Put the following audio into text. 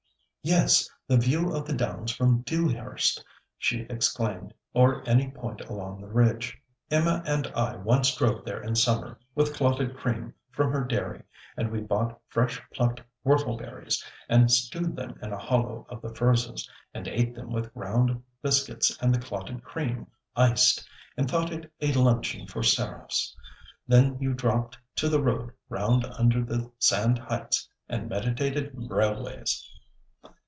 'Yes! the view of the Downs from Dewhurst,' she exclaimed. 'Or any point along the ridge. Emma and I once drove there in Summer, with clotted cream from her dairy, and we bought fresh plucked wortleberries, and stewed them in a hollow of the furzes, and ate them with ground biscuits and the clotted cream iced, and thought it a luncheon for seraphs. Then you dropped to the road round under the sand heights and meditated railways!'